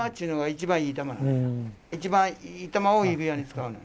一番いい珠を指輪に使うの。